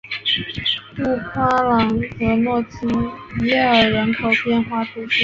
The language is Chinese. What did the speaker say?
布夸朗和诺济耶尔人口变化图示